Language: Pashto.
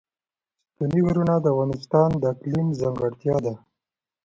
ستوني غرونه د افغانستان د اقلیم ځانګړتیا ده.